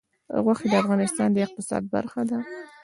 غوښې د افغانستان د اقتصاد برخه ده.